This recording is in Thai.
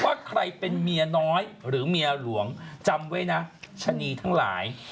ว่าใครเป็นเมียน้อยหรือเมียหลวงจำไว้นะชะนีทั้งหลาย